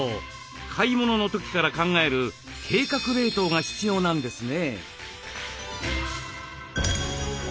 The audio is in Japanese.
買い物の時から考える「計画冷凍」が必要なんですね。